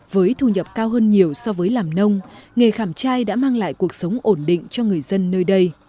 với thu nhập cao hơn nhiều so với làm nông nghề khảm trai đã mang lại cuộc sống ổn định cho người dân nơi đây